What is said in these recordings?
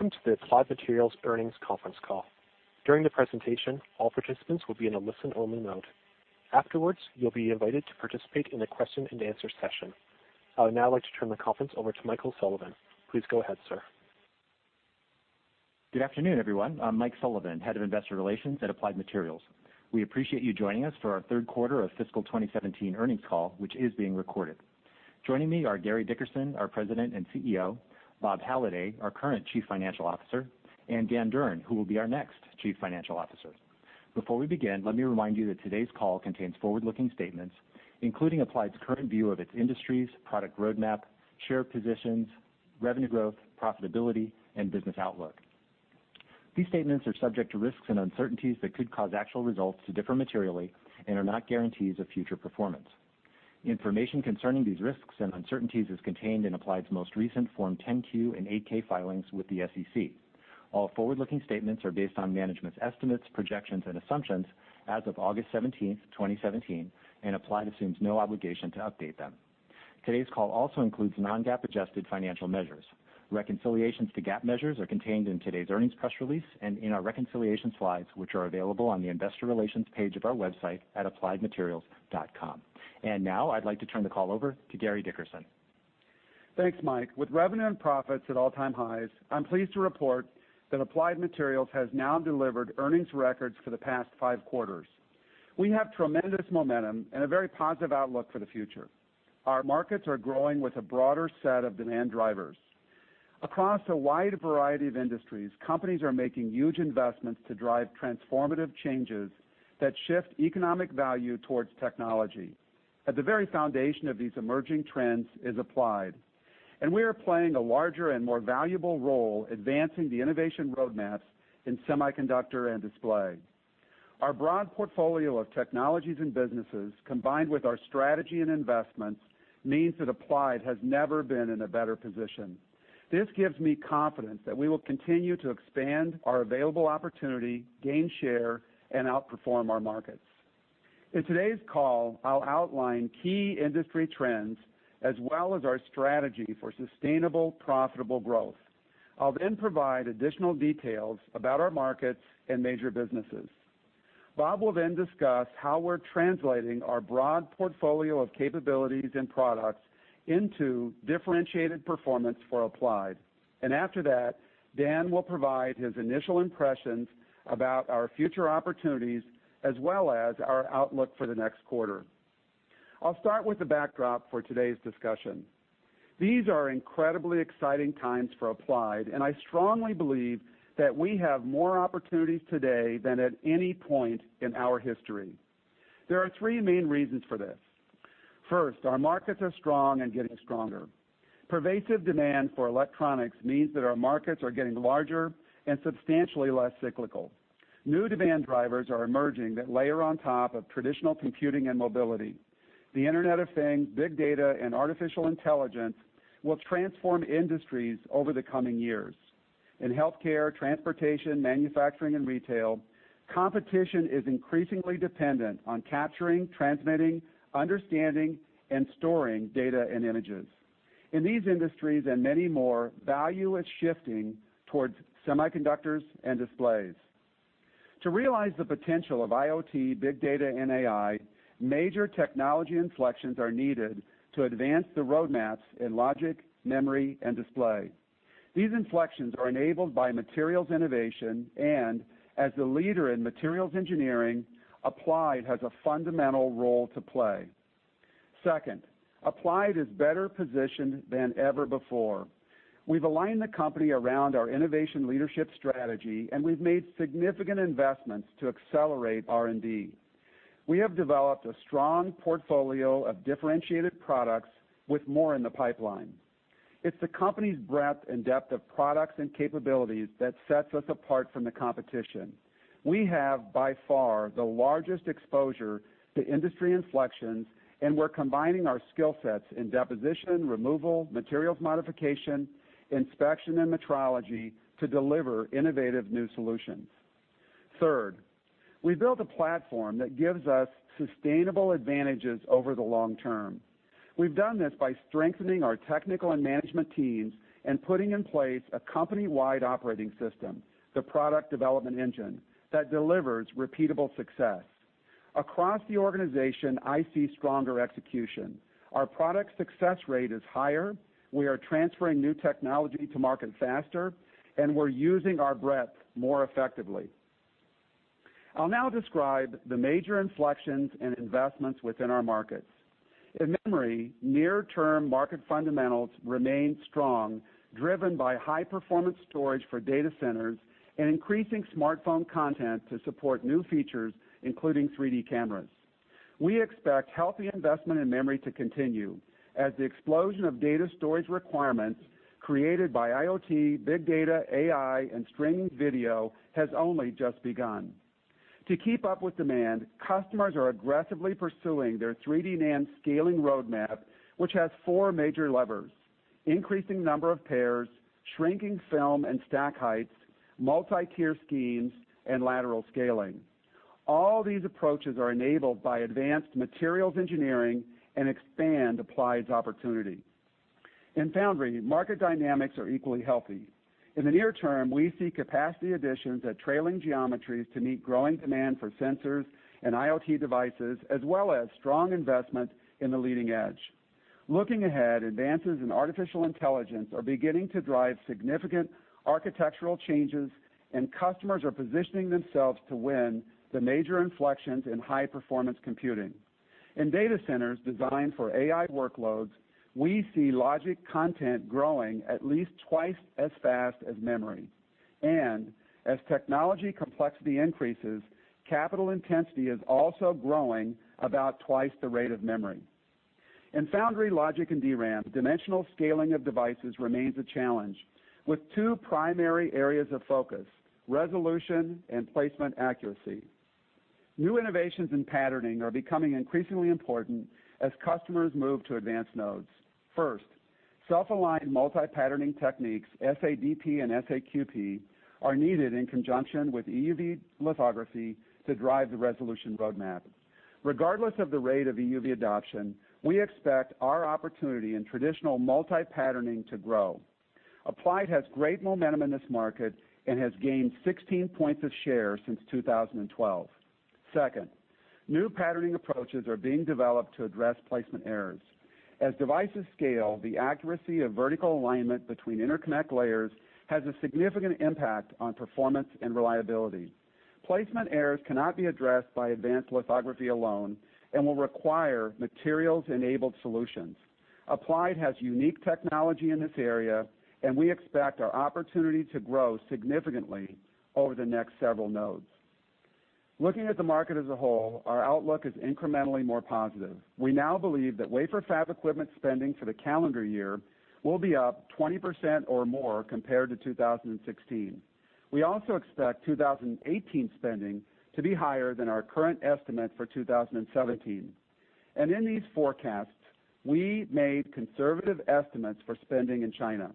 Welcome to the Applied Materials Earnings Conference Call. During the presentation, all participants will be in a listen-only mode. Afterwards, you'll be invited to participate in a question and answer session. I would now like to turn the conference over to Michael Sullivan. Please go ahead, sir. Good afternoon, everyone. I'm Mike Sullivan, Head of Investor Relations at Applied Materials. We appreciate you joining us for our third quarter of fiscal 2017 earnings call, which is being recorded. Joining me are Gary Dickerson, our President and CEO, Bob Halliday, our current Chief Financial Officer, and Dan Durn, who will be our next Chief Financial Officer. Before we begin, let me remind you that today's call contains forward-looking statements, including Applied's current view of its industries, product roadmap, share positions, revenue growth, profitability, and business outlook. These statements are subject to risks and uncertainties that could cause actual results to differ materially and are not guarantees of future performance. Information concerning these risks and uncertainties is contained in Applied's most recent Form 10-Q and 8-K filings with the SEC. All forward-looking statements are based on management's estimates, projections, and assumptions as of August 17th, 2017, Applied assumes no obligation to update them. Today's call also includes non-GAAP adjusted financial measures. Reconciliations to GAAP measures are contained in today's earnings press release and in our reconciliation slides, which are available on the investor relations page of our website at appliedmaterials.com. Now I'd like to turn the call over to Gary Dickerson. Thanks, Mike. With revenue and profits at all-time highs, I'm pleased to report that Applied Materials has now delivered earnings records for the past five quarters. We have tremendous momentum and a very positive outlook for the future. Our markets are growing with a broader set of demand drivers. Across a wide variety of industries, companies are making huge investments to drive transformative changes that shift economic value towards technology. At the very foundation of these emerging trends is Applied, and we are playing a larger and more valuable role advancing the innovation roadmaps in semiconductor and display. Our broad portfolio of technologies and businesses, combined with our strategy and investments, means that Applied has never been in a better position. This gives me confidence that we will continue to expand our available opportunity, gain share, and outperform our markets. In today's call, I'll outline key industry trends as well as our strategy for sustainable, profitable growth. I'll then provide additional details about our markets and major businesses. Bob will then discuss how we're translating our broad portfolio of capabilities and products into differentiated performance for Applied Materials. After that, Dan will provide his initial impressions about our future opportunities, as well as our outlook for the next quarter. I'll start with the backdrop for today's discussion. These are incredibly exciting times for Applied Materials, and I strongly believe that we have more opportunities today than at any point in our history. There are three main reasons for this. First, our markets are strong and getting stronger. Pervasive demand for electronics means that our markets are getting larger and substantially less cyclical. New demand drivers are emerging that layer on top of traditional computing and mobility. The Internet of Things, big data, and artificial intelligence will transform industries over the coming years. In healthcare, transportation, manufacturing, and retail, competition is increasingly dependent on capturing, transmitting, understanding, and storing data and images. In these industries and many more, value is shifting towards semiconductors and displays. To realize the potential of IoT, big data, and AI, major technology inflections are needed to advance the roadmaps in logic, memory, and display. These inflections are enabled by materials innovation, and as the leader in materials engineering, Applied Materials has a fundamental role to play. Second, Applied Materials is better positioned than ever before. We've aligned the company around our innovation leadership strategy, and we've made significant investments to accelerate R&D. We have developed a strong portfolio of differentiated products with more in the pipeline. It's the company's breadth and depth of products and capabilities that sets us apart from the competition. We have, by far, the largest exposure to industry inflections, and we're combining our skill sets in deposition, removal, materials modification, inspection, and metrology to deliver innovative new solutions. Third, we built a platform that gives us sustainable advantages over the long term. We've done this by strengthening our technical and management teams and putting in place a company-wide operating system, the product development engine, that delivers repeatable success. Across the organization, I see stronger execution. Our product success rate is higher. We are transferring new technology to market faster, and we're using our breadth more effectively. I'll now describe the major inflections and investments within our markets. In memory, near-term market fundamentals remain strong, driven by high-performance storage for data centers and increasing smartphone content to support new features, including 3D cameras. We expect healthy investment in memory to continue as the explosion of data storage requirements created by IoT, big data, AI, and streaming video has only just begun. To keep up with demand, customers are aggressively pursuing their 3D NAND scaling roadmap, which has four major levers: increasing number of pairs, shrinking film and stack heights, multi-tier schemes, and lateral scaling. All these approaches are enabled by advanced materials engineering and expand Applied Materials's opportunity. In foundry, market dynamics are equally healthy. In the near term, we see capacity additions at trailing geometries to meet growing demand for sensors and IoT devices, as well as strong investment in the leading edge. Looking ahead, advances in artificial intelligence are beginning to drive significant architectural changes, and customers are positioning themselves to win the major inflections in high-performance computing. In data centers designed for AI workloads, we see logic content growing at least twice as fast as memory. As technology complexity increases, capital intensity is also growing about twice the rate of memory. In foundry logic and DRAM, dimensional scaling of devices remains a challenge with two primary areas of focus, resolution and placement accuracy. New innovations in patterning are becoming increasingly important as customers move to advanced nodes. First, self-aligned multi-patterning techniques, SADP and SAQP, are needed in conjunction with EUV lithography to drive the resolution roadmap. Regardless of the rate of EUV adoption, we expect our opportunity in traditional multi-patterning to grow. Applied has great momentum in this market and has gained 16 points of share since 2012. Second, new patterning approaches are being developed to address placement errors. As devices scale, the accuracy of vertical alignment between interconnect layers has a significant impact on performance and reliability. Placement errors cannot be addressed by advanced lithography alone and will require materials-enabled solutions. Applied has unique technology in this area, and we expect our opportunity to grow significantly over the next several nodes. Looking at the market as a whole, our outlook is incrementally more positive. We now believe that wafer fab equipment spending for the calendar year will be up 20% or more compared to 2016. We also expect 2018 spending to be higher than our current estimate for 2017. In these forecasts, we made conservative estimates for spending in China.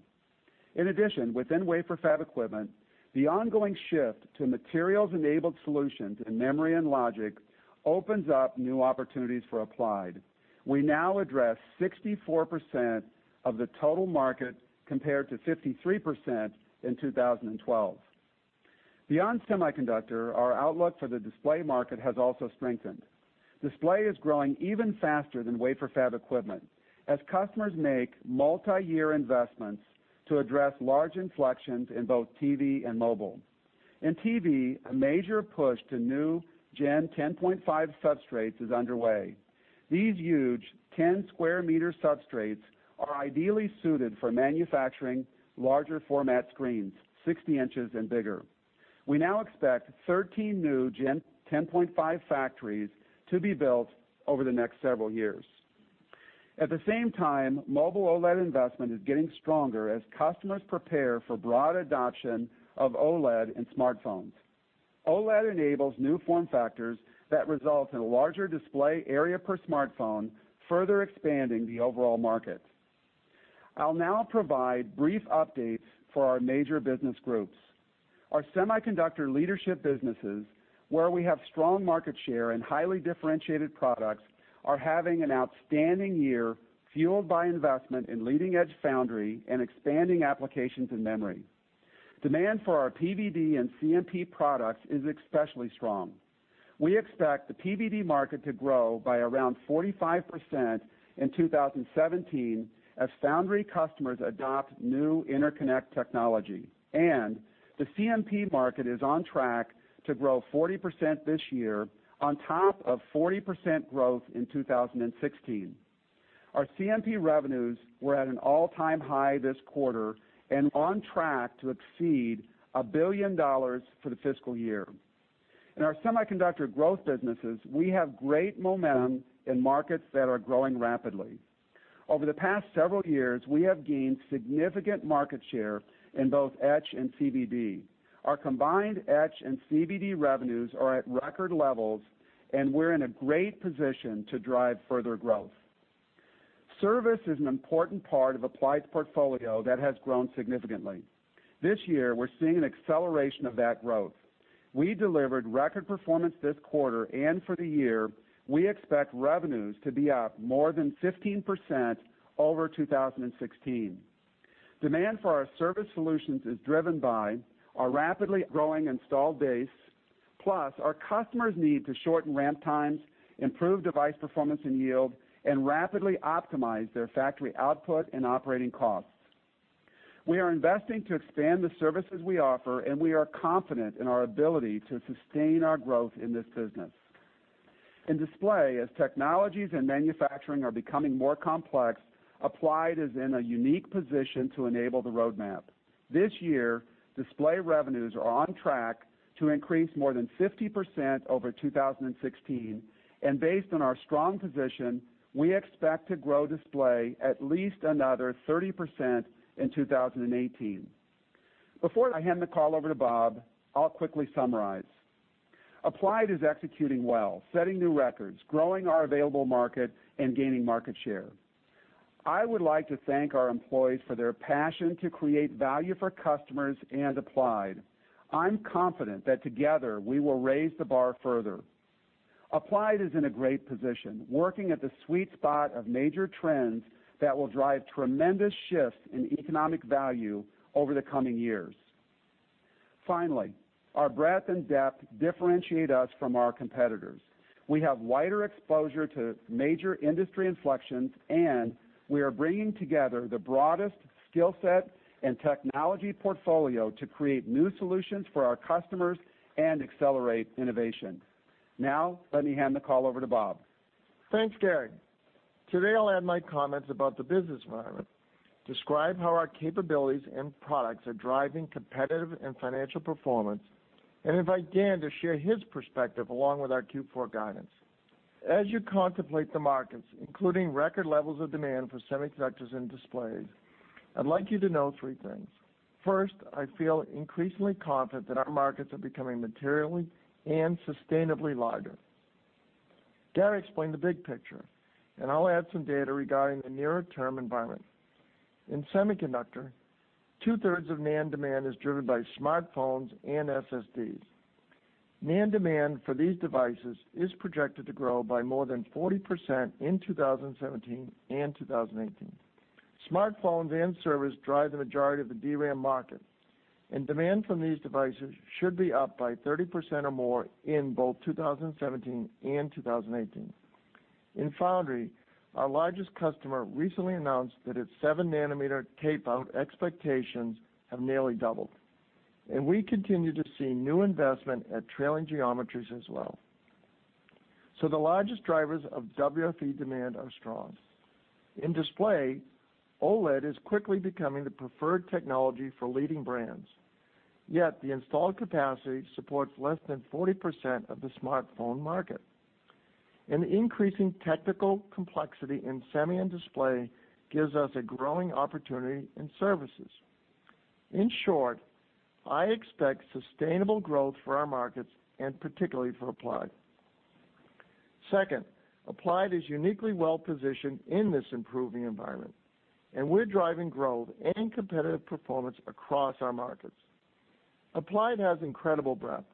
In addition, within wafer fab equipment, the ongoing shift to materials-enabled solutions in memory and logic opens up new opportunities for Applied. We now address 64% of the total market, compared to 53% in 2012. Beyond semiconductor, our outlook for the display market has also strengthened. Display is growing even faster than wafer fab equipment as customers make multi-year investments to address large inflections in both TV and mobile. In TV, a major push to new Gen 10.5 substrates is underway. These huge 10 square meter substrates are ideally suited for manufacturing larger format screens, 60 inches and bigger. We now expect 13 new Gen 10.5 factories to be built over the next several years. At the same time, mobile OLED investment is getting stronger as customers prepare for broad adoption of OLED in smartphones. OLED enables new form factors that result in larger display area per smartphone, further expanding the overall market. I'll now provide brief updates for our major business groups. Our semiconductor leadership businesses, where we have strong market share and highly differentiated products, are having an outstanding year, fueled by investment in leading-edge foundry and expanding applications in memory. Demand for our PVD and CMP products is especially strong. We expect the PVD market to grow by around 45% in 2017 as foundry customers adopt new interconnect technology, and the CMP market is on track to grow 40% this year on top of 40% growth in 2016. Our CMP revenues were at an all-time high this quarter and on track to exceed $1 billion for the fiscal year. In our semiconductor growth businesses, we have great momentum in markets that are growing rapidly. Over the past several years, we have gained significant market share in both etch and CVD. Our combined etch and CVD revenues are at record levels, and we're in a great position to drive further growth. Service is an important part of Applied's portfolio that has grown significantly. This year, we're seeing an acceleration of that growth. We delivered record performance this quarter and for the year, we expect revenues to be up more than 15% over 2016. Demand for our Service solutions is driven by our rapidly growing installed base, plus our customers' need to shorten ramp times, improve device performance and yield, and rapidly optimize their factory output and operating costs. We are investing to expand the services we offer, and we are confident in our ability to sustain our growth in this business. In Display, as technologies and manufacturing are becoming more complex, Applied is in a unique position to enable the roadmap. This year, Display revenues are on track to increase more than 50% over 2016. Based on our strong position, we expect to grow Display at least another 30% in 2018. Before I hand the call over to Bob, I'll quickly summarize. Applied is executing well, setting new records, growing our available market, and gaining market share. I would like to thank our employees for their passion to create value for customers and Applied. I'm confident that together we will raise the bar further. Applied is in a great position, working at the sweet spot of major trends that will drive tremendous shifts in economic value over the coming years. Finally, our breadth and depth differentiate us from our competitors. We have wider exposure to major industry inflections, and we are bringing together the broadest skill set and technology portfolio to create new solutions for our customers and accelerate innovation. Now, let me hand the call over to Bob. Thanks, Gary. Today, I'll add my comments about the business environment, describe how our capabilities and products are driving competitive and financial performance, and invite Dan to share his perspective along with our Q4 guidance. As you contemplate the markets, including record levels of demand for semiconductors and Displays, I'd like you to know three things. First, I feel increasingly confident that our markets are becoming materially and sustainably larger. Gary explained the big picture, and I'll add some data regarding the nearer-term environment. In semiconductor, two-thirds of NAND demand is driven by smartphones and SSDs. NAND demand for these devices is projected to grow by more than 40% in 2017 and 2018. Smartphones and servers drive the majority of the DRAM market, and demand from these devices should be up by 30% or more in both 2017 and 2018. In foundry, our largest customer recently announced that its seven-nanometer tape-out expectations have nearly doubled, and we continue to see new investment at trailing geometries as well. The largest drivers of WFE demand are strong. In display, OLED is quickly becoming the preferred technology for leading brands, yet the installed capacity supports less than 40% of the smartphone market. An increasing technical complexity in semi and display gives us a growing opportunity in services. In short, I expect sustainable growth for our markets and particularly for Applied. Applied is uniquely well-positioned in this improving environment, and we're driving growth and competitive performance across our markets. Applied has incredible breadth,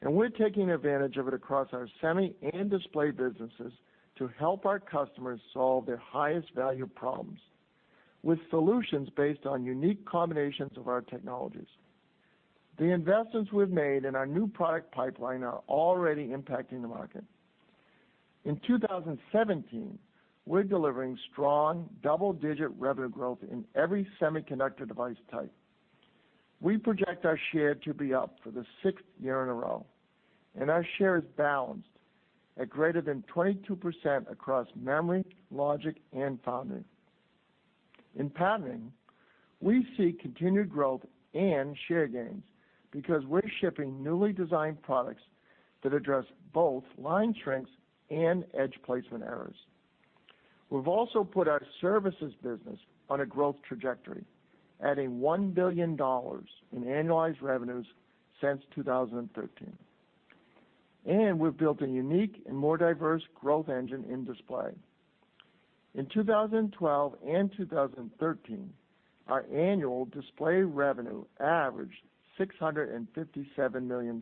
and we're taking advantage of it across our semi and display businesses to help our customers solve their highest-value problems with solutions based on unique combinations of our technologies. The investments we've made in our new product pipeline are already impacting the market. In 2017, we're delivering strong double-digit revenue growth in every semiconductor device type. We project our share to be up for the sixth year in a row, and our share is balanced at greater than 22% across memory, logic, and foundry. In patterning, we see continued growth and share gains because we're shipping newly designed products that address both line shrinks and edge placement errors. We've also put our services business on a growth trajectory, adding $1 billion in annualized revenues since 2013, and we've built a unique and more diverse growth engine in display. In 2012 and 2013, our annual display revenue averaged $657 million.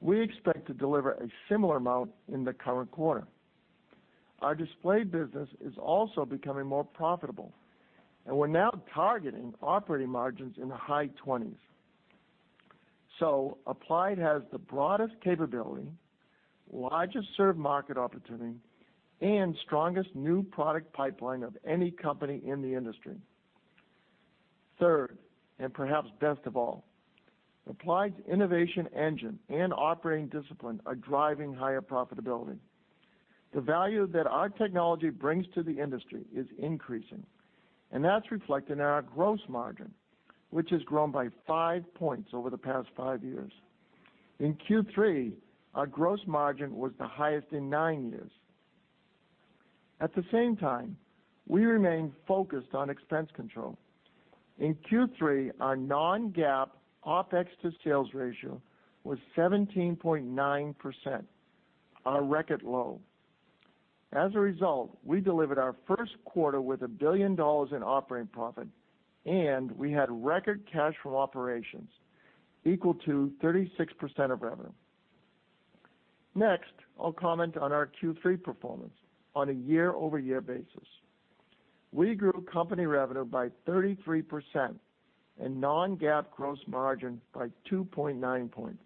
We expect to deliver a similar amount in the current quarter. Our display business is also becoming more profitable, and we're now targeting operating margins in the high 20s. Applied has the broadest capability, largest served market opportunity, and strongest new product pipeline of any company in the industry. Third, perhaps best of all, Applied's innovation engine and operating discipline are driving higher profitability. The value that our technology brings to the industry is increasing, and that's reflected in our gross margin, which has grown by five points over the past five years. In Q3, our gross margin was the highest in nine years. At the same time, we remain focused on expense control. In Q3, our non-GAAP OpEx to sales ratio was 17.9%, a record low. As a result, we delivered our first quarter with $1 billion in operating profit, and we had record cash from operations equal to 36% of revenue. Next, I'll comment on our Q3 performance on a year-over-year basis. We grew company revenue by 33% and non-GAAP gross margin by 2.9 points.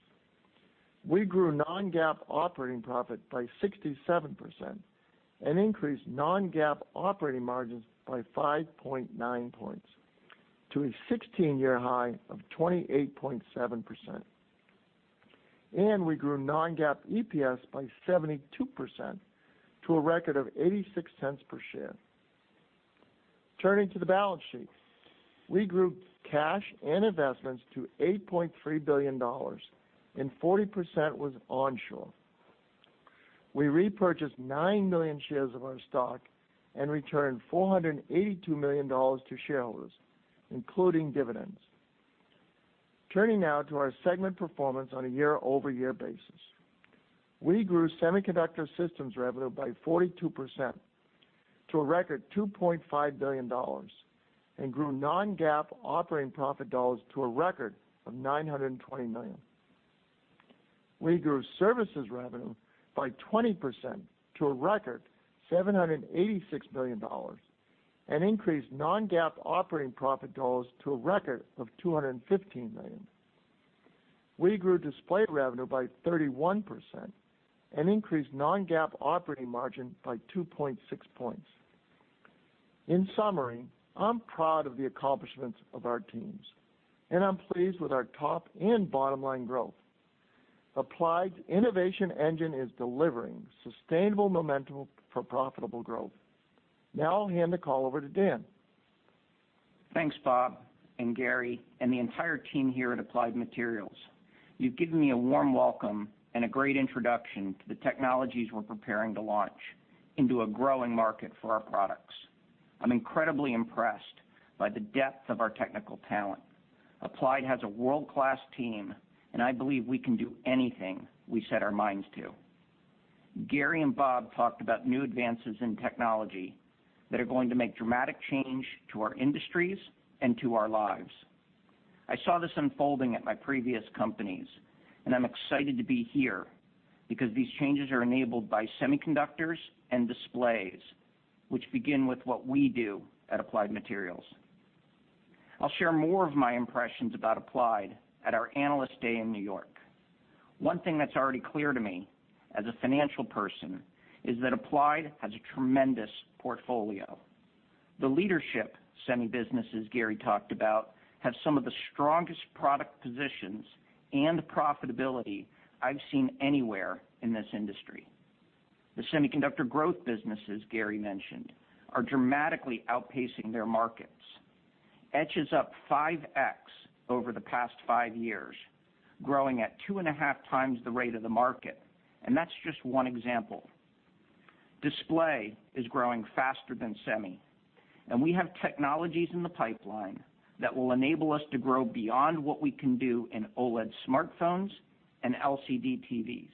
We grew non-GAAP operating profit by 67% and increased non-GAAP operating margins by 5.9 points to a 16-year high of 28.7%. We grew non-GAAP EPS by 72% to a record of $0.86 per share. Turning to the balance sheet, we grew cash and investments to $8.3 billion, and 40% was onshore. We repurchased nine million shares of our stock and returned $482 million to shareholders, including dividends. Turning now to our segment performance on a year-over-year basis. We grew semiconductor systems revenue by 42% to a record $2.5 billion and grew non-GAAP operating profit dollars to a record of $920 million. We grew services revenue by 20% to a record $786 million and increased non-GAAP operating profit dollars to a record of $215 million. We grew display revenue by 31% and increased non-GAAP operating margin by 2.6 points. In summary, I'm proud of the accomplishments of our teams, and I'm pleased with our top and bottom-line growth. Applied's innovation engine is delivering sustainable momentum for profitable growth. I'll hand the call over to Dan. Thanks, Bob and Gary, and the entire team here at Applied Materials. You've given me a warm welcome and a great introduction to the technologies we're preparing to launch into a growing market for our products. I'm incredibly impressed by the depth of our technical talent. Applied has a world-class team, and I believe we can do anything we set our minds to. Gary and Bob talked about new advances in technology that are going to make dramatic change to our industries and to our lives. I saw this unfolding at my previous companies, and I'm excited to be here because these changes are enabled by semiconductors and displays, which begin with what we do at Applied Materials. I'll share more of my impressions about Applied at our Analyst Day in New York. One thing that's already clear to me as a financial person is that Applied has a tremendous portfolio. The leadership semi businesses Gary talked about have some of the strongest product positions and profitability I've seen anywhere in this industry. The semiconductor growth businesses Gary mentioned are dramatically outpacing their markets. Etch is up 5X over the past five years, growing at two and a half times the rate of the market, and that's just one example. Display is growing faster than semi, and we have technologies in the pipeline that will enable us to grow beyond what we can do in OLED smartphones and LCD TVs.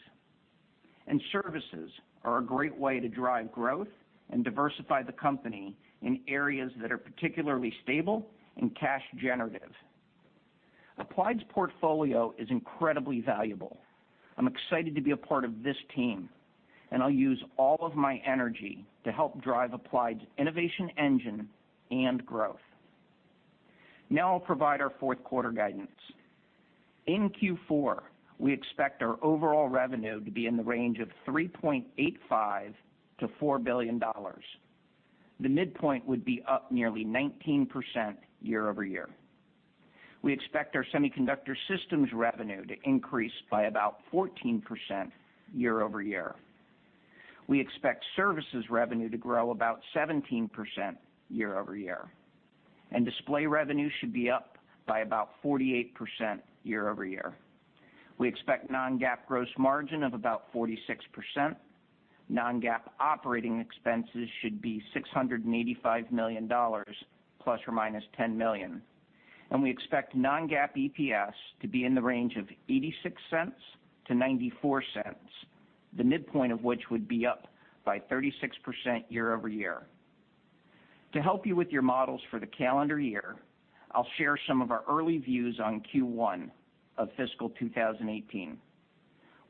Services are a great way to drive growth and diversify the company in areas that are particularly stable and cash generative. Applied's portfolio is incredibly valuable. I'm excited to be a part of this team, and I'll use all of my energy to help drive Applied's innovation engine and growth. I'll provide our fourth quarter guidance. In Q4, we expect our overall revenue to be in the range of $3.85 billion to $4 billion. The midpoint would be up nearly 19% year-over-year. We expect our semiconductor systems revenue to increase by about 14% year-over-year. We expect services revenue to grow about 17% year-over-year, and display revenue should be up by about 48% year-over-year. We expect non-GAAP gross margin of about 46%. Non-GAAP operating expenses should be $685 million ±$10 million, and we expect non-GAAP EPS to be in the range of $0.86 to $0.94, the midpoint of which would be up by 36% year-over-year. To help you with your models for the calendar year, I'll share some of our early views on Q1 of fiscal 2018.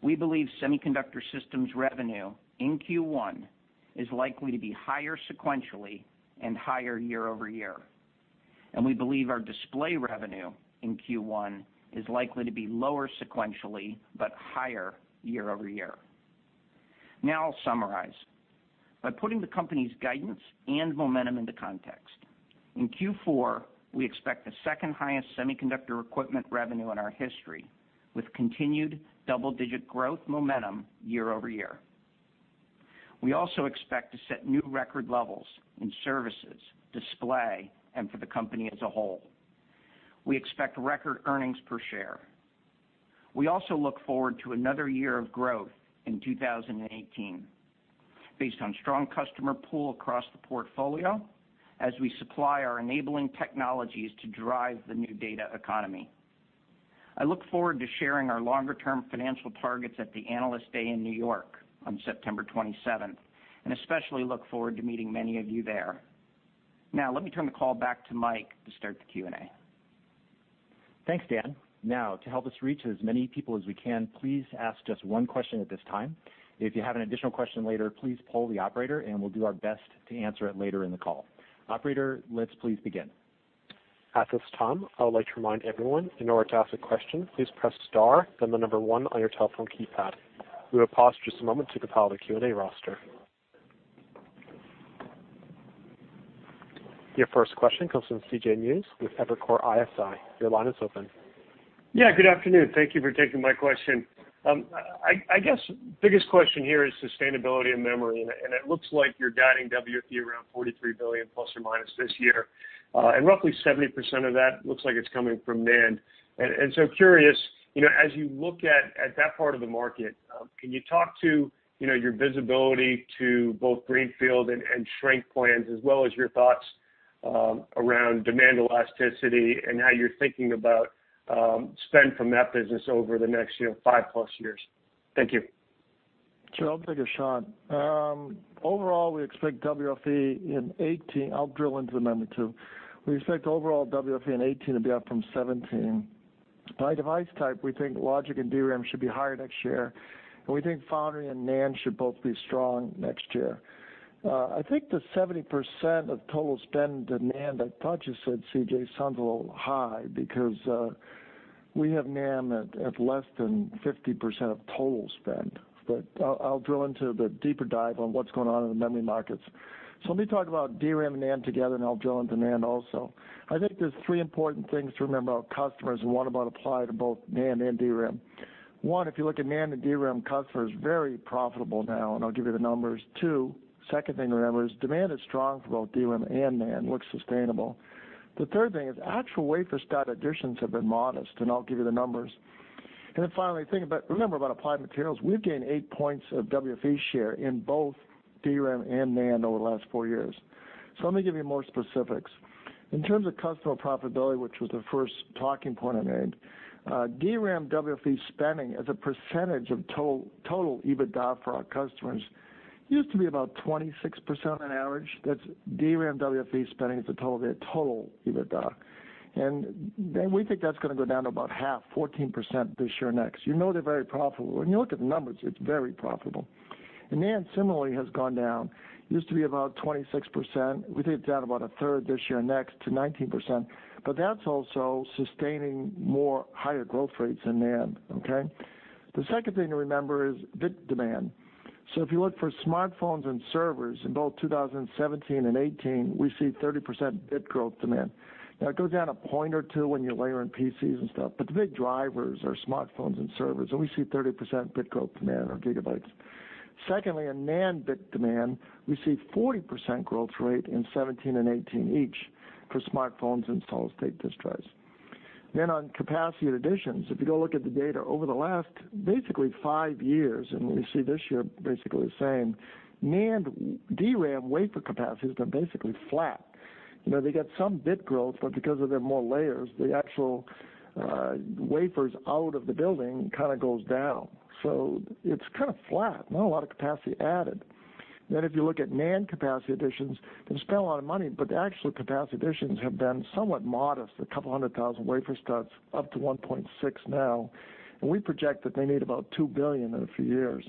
We believe semiconductor systems revenue in Q1 is likely to be higher sequentially and higher year-over-year, and we believe our display revenue in Q1 is likely to be lower sequentially but higher year-over-year. I'll summarize by putting the company's guidance and momentum into context. In Q4, we expect the second highest semiconductor equipment revenue in our history, with continued double-digit growth momentum year-over-year. We also expect to set new record levels in services, display, and for the company as a whole. We expect record earnings per share. We also look forward to another year of growth in 2018 based on strong customer pull across the portfolio as we supply our enabling technologies to drive the new data economy. I look forward to sharing our longer-term financial targets at the Analyst Day in New York on September 27th, and especially look forward to meeting many of you there. Let me turn the call back to Michael to start the Q&A. Thanks, Dan. To help us reach as many people as we can, please ask just one question at this time. If you have an additional question later, please poll the operator, and we'll do our best to answer it later in the call. Operator, let's please begin. At this time, I would like to remind everyone, in order to ask a question, please press star then the number one on your telephone keypad. We will pause just a moment to compile the Q&A roster. Your first question comes from C.J. Muse with Evercore ISI. Your line is open. Yeah, good afternoon. Thank you for taking my question. I guess the biggest question here is sustainability in memory. It looks like you're guiding WFE around $43 billion ± this year, and roughly 70% of that looks like it's coming from NAND. Curious, as you look at that part of the market, can you talk to your visibility to both greenfield and shrink plans as well as your thoughts around demand elasticity and how you're thinking about spend from that business over the next 5+ years? Thank you. Sure. I'll take a shot. Overall, we expect WFE in 2018. I'll drill into the memory too. We expect overall WFE in 2018 to be up from 2017. By device type, we think logic and DRAM should be higher next year. We think foundry and NAND should both be strong next year. I think the 70% of total spend in NAND, I thought you said, C.J. Muse, sounds a little high because we have NAND at less than 50% of total spend. I'll drill into the deeper dive on what's going on in the memory markets. Let me talk about DRAM and NAND together. I'll drill into NAND also. I think there's three important things to remember about customers, one about apply to both NAND and DRAM. 1, if you look at NAND and DRAM customers, very profitable now. I'll give you the numbers. 2, second thing to remember is demand is strong for both DRAM and NAND, looks sustainable. The third thing is actual wafer start additions have been modest. I'll give you the numbers. Finally, remember about Applied Materials, we've gained eight points of WFE share in both DRAM and NAND over the last four years. Let me give you more specifics. In terms of customer profitability, which was the first talking point I made, DRAM WFE spending as a percentage of total EBITDA for our customers used to be about 26% on average. That's DRAM WFE spending as a total of their total EBITDA. We think that's going to go down to about half, 14% this year next. You know they're very profitable. When you look at the numbers, it's very profitable. NAND similarly has gone down. Used to be about 26%. We think it's down about a third this year next to 19%. That's also sustaining more higher growth rates in NAND. Okay? The second thing to remember is bit demand. If you look for smartphones and servers in both 2017 and 2018, we see 30% bit growth demand. Now, it goes down a point or two when you layer in PCs and stuff, but the big drivers are smartphones and servers. We see 30% bit growth demand or gigabytes. Secondly, in NAND bit demand, we see 40% growth rate in 2017 and 2018 each for smartphones and solid-state disk drives. On capacity additions, if you go look at the data over the last basically five years. We see this year basically the same, NAND, DRAM wafer capacity has been basically flat. They get some bit growth, but because of their more layers, the actual wafers out of the building kind of goes down. It's kind of flat, not a lot of capacity added. If you look at NAND capacity additions, they spent a lot of money, but the actual capacity additions have been somewhat modest, a couple hundred thousand wafer starts up to 1.6 million now, and we project that they need about 2 billion in a few years.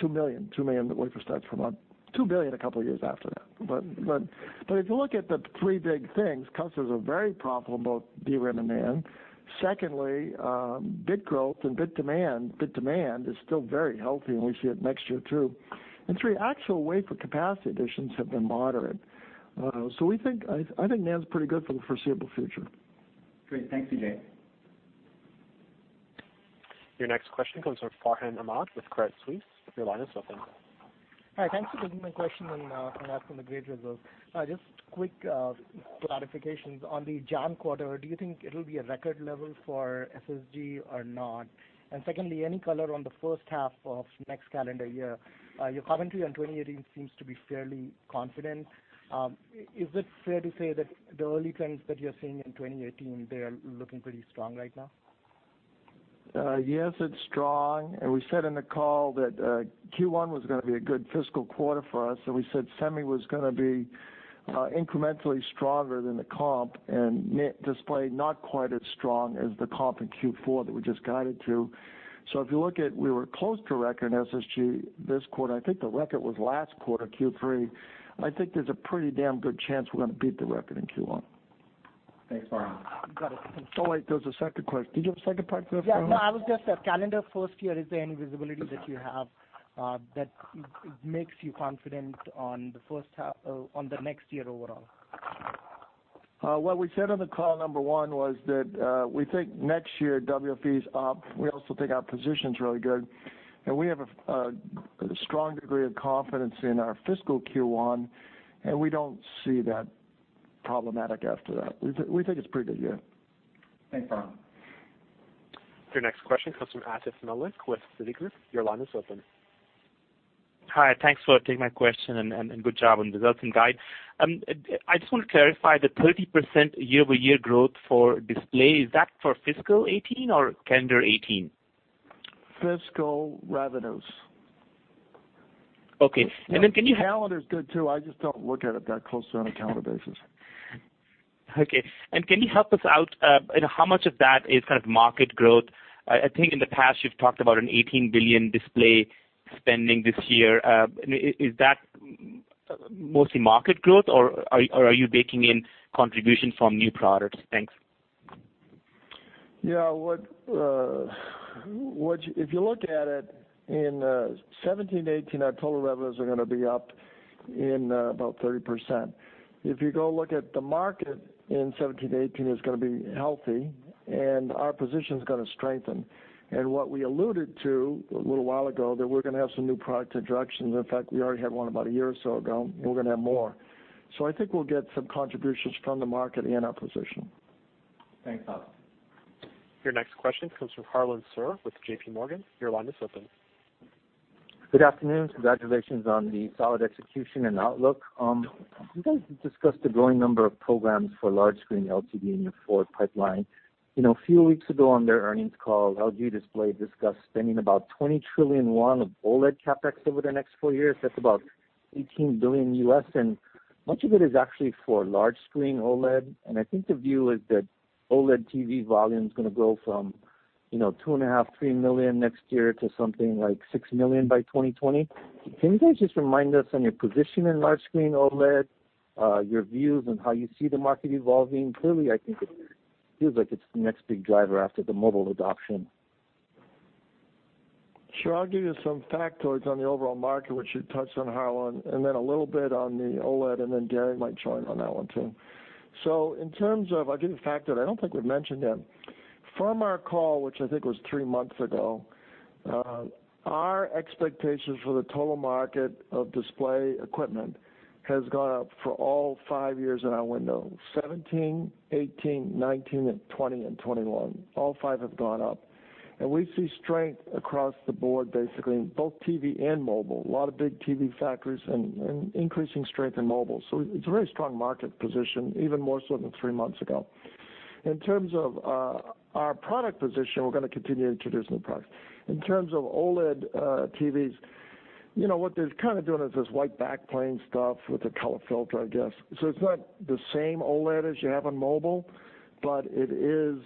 2 million wafer starts per month, 2 million a couple of years after that. If you look at the three big things, customers are very profitable, both DRAM and NAND. Secondly, bit growth and bit demand is still very healthy, and we see it next year, too. Three, actual wafer capacity additions have been moderate. I think NAND's pretty good for the foreseeable future. Great. Thanks, C.J. Your next question comes from Farhan Ahmad with Credit Suisse. Your line is open. Hi. Thanks for taking my question, and congrats on the great results. Just quick clarifications. On the June quarter, do you think it'll be a record level for SSG or not? Secondly, any color on the first half of next calendar year? Your commentary on 2018 seems to be fairly confident. Is it fair to say that the early trends that you're seeing in 2018, they are looking pretty strong right now? Yes, it's strong. We said in the call that Q1 was going to be a good fiscal quarter for us, we said semi was going to be incrementally stronger than the comp and display not quite as strong as the comp in Q4 that we just guided to. If you look at, we were close to record SSG this quarter. I think the record was last quarter, Q3. I think there's a pretty damn good chance we're going to beat the record in Q1. Thanks, Farhan. Got it. Wait, there's a second question. Did you have a second part to that, Farhan? Yeah. No, I was just the first half of next calendar year, is there any visibility that you have that makes you confident on the next year overall? What we said on the call, number one, was that we think next year WFE is up. We also think our position's really good, and we have a strong degree of confidence in our fiscal Q1, and we don't see that problematic after that. We think it's a pretty good year. Thanks, Farhan. Your next question comes from Atif Malik with Citigroup. Your line is open. Hi. Thanks for taking my question. Good job on the results and guide. I just want to clarify the 30% year-over-year growth for display, is that for fiscal 2018 or calendar 2018? Fiscal revenues. Okay. Calendar is good, too. I just don't look at it that closely on a calendar basis. Can you help us out in how much of that is kind of market growth? I think in the past you've talked about an $18 billion display spending this year. Is that mostly market growth, or are you baking in contribution from new products? Thanks. Yeah. If you look at it in 2017, 2018, our total revenues are going to be up in about 30%. If you go look at the market in 2017, 2018, it's going to be healthy, and our position's going to strengthen. What we alluded to a little while ago, that we're going to have some new product introductions, in fact, we already had one about a year or so ago, we're going to have more. I think we'll get some contributions from the market and our position. Thanks, Atif. Your next question comes from Harlan Sur with J.P. Morgan. Your line is open. Good afternoon. Congratulations on the solid execution and outlook. You guys have discussed the growing number of programs for large screen LCD in your forward pipeline. A few weeks ago on their earnings call, LG Display discussed spending about 20 trillion won of OLED CapEx over the next four years. That's about $18 billion, and much of it is actually for large screen OLED, and I think the view is that OLED TV volume is going to grow from 2.5 million, 3 million next year to something like 6 million by 2020. Can you guys just remind us on your position in large screen OLED, your views on how you see the market evolving? Clearly, I think it feels like it's the next big driver after the mobile adoption. Sure. I'll give you some factoids on the overall market, which you touched on, Harlan, and then a little bit on the OLED, and then Gary might chime on that one, too. I'll give you a factoid. I don't think we've mentioned it. From our call, which I think was three months ago, our expectations for the total market of display equipment has gone up for all five years in our window, 2017, 2018, 2019, 2020, and 2021. All five have gone up. We see strength across the board, basically, in both TV and mobile, a lot of big TV factories and increasing strength in mobile. It's a very strong market position, even more so than three months ago. In terms of our product position, we're going to continue to introduce new products. In terms of OLED TVs, what they're kind of doing is this white backplane stuff with a color filter, I guess. It's not the same OLED as you have on mobile, but it is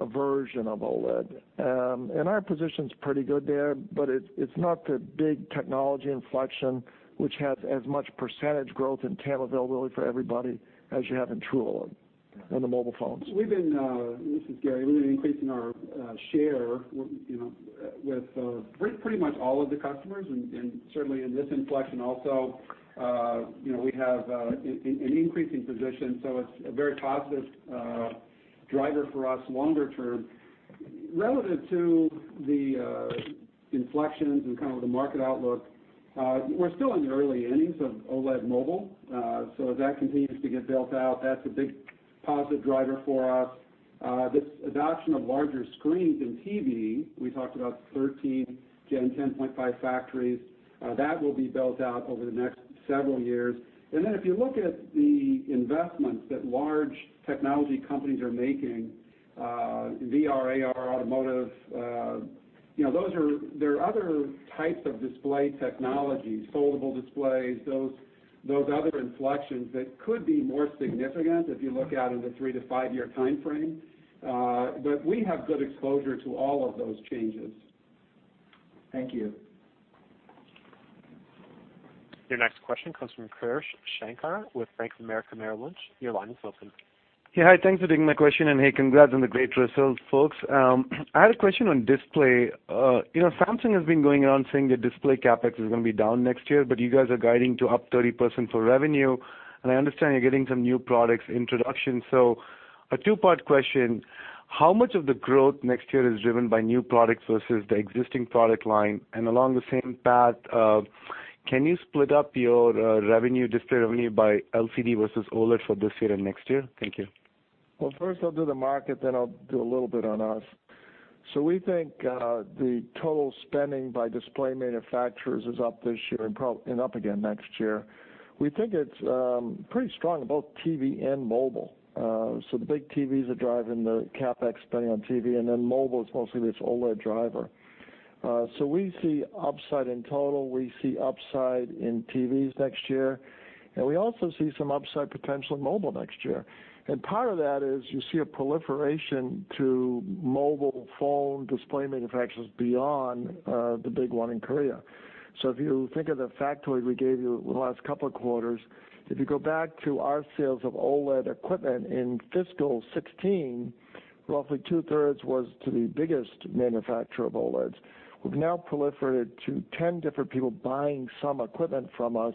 a version of OLED. Our position's pretty good there, but it's not the big technology inflection which has as much percentage growth and TAM availability for everybody as you have in true OLED on the mobile phones. This is Gary. We've been increasing our share with pretty much all of the customers and certainly in this inflection also, we have an increasing position, so it's a very positive driver for us longer term. Relative to the inflections and kind of the market outlook, we're still in the early innings of OLED mobile, so as that continues to get built out, that's a big positive driver for us. This adoption of larger screens in TV, we talked about 13 Gen 10.5 factories. That will be built out over the next several years. If you look at the investments that large technology companies are making, VR, AR, automotive, there are other types of display technologies, foldable displays, those other inflections that could be more significant if you look out at a 3- to 5-year timeframe. We have good exposure to all of those changes. Thank you. Your next question comes from Krish Sankar with Bank of America Merrill Lynch. Your line is open. Hi, thanks for taking my question, and, hey, congrats on the great results, folks. I had a question on display. Samsung has been going around saying their display CapEx is going to be down next year, but you guys are guiding to up 30% for revenue, and I understand you're getting some new products introduction. A two-part question, how much of the growth next year is driven by new products versus the existing product line? Along the same path, can you split up your display revenue by LCD versus OLED for this year and next year? Thank you. Well, first I'll do the market, then I'll do a little bit on us. We think the total spending by display manufacturers is up this year and up again next year. We think it's pretty strong in both TV and mobile. The big TVs are driving the CapEx spending on TV, and then mobile is mostly this OLED driver. We see upside in total, we see upside in TVs next year, and we also see some upside potential in mobile next year. Part of that is you see a proliferation to mobile phone display manufacturers beyond the big one in Korea. If you think of the factoid we gave you the last couple of quarters, if you go back to our sales of OLED equipment in fiscal 2016, roughly two-thirds was to the biggest manufacturer of OLEDs. We've now proliferated to 10 different people buying some equipment from us.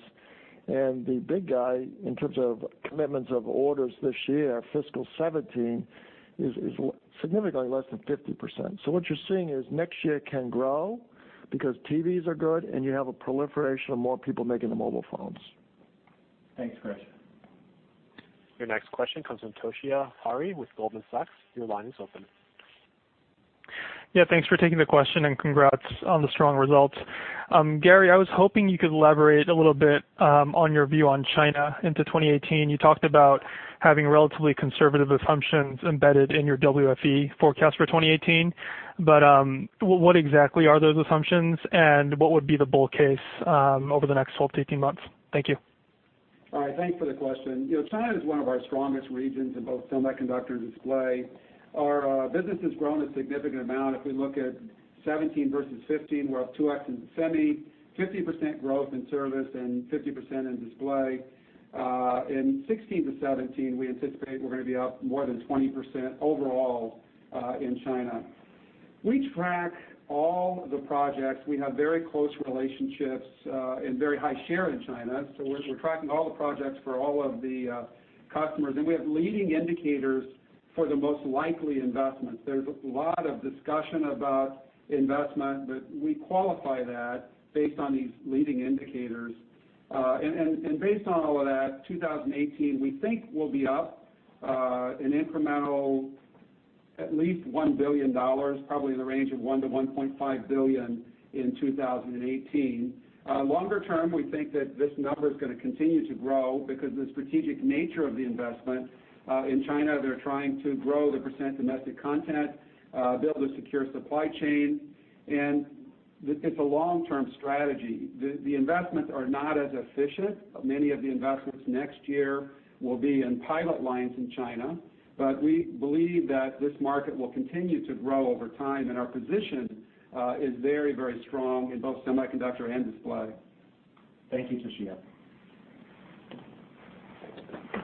The big guy, in terms of commitments of orders this year, fiscal 2017, is significantly less than 50%. What you're seeing is next year can grow because TVs are good and you have a proliferation of more people making the mobile phones. Thanks, Krish. Your next question comes from Toshiya Hari with Goldman Sachs. Your line is open. Thanks for taking the question and congrats on the strong results. Gary, I was hoping you could elaborate a little bit on your view on China into 2018. You talked about having relatively conservative assumptions embedded in your WFE forecast for 2018, what exactly are those assumptions, and what would be the bull case over the next 12 to 18 months? Thank you. All right. Thanks for the question. China is one of our strongest regions in both semiconductor and display. Our business has grown a significant amount. If we look at 2017 versus 2015, we're up 2X in semi, 50% growth in service, and 50% in display. In 2016 to 2017, we anticipate we're going to be up more than 20% overall in China. We track all the projects. We have very close relationships and very high share in China, so we're tracking all the projects for all of the customers, and we have leading indicators for the most likely investments. There's a lot of discussion about investment, but we qualify that based on these leading indicators. Based on all of that, 2018, we think we'll be up an incremental at least $1 billion, probably in the range of $1 billion-$1.5 billion in 2018. Longer term, we think that this number is going to continue to grow because the strategic nature of the investment in China, they're trying to grow the percent domestic content, build a secure supply chain, and It's a long-term strategy. The investments are not as efficient. Many of the investments next year will be in pilot lines in China, but we believe that this market will continue to grow over time, and our position is very, very strong in both semiconductor and display. Thank you, Toshiya.